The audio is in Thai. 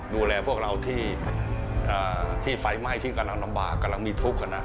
ดูแลพวกเราที่ไฟไหม้ที่กำลังลำบากกำลังมีทุกข์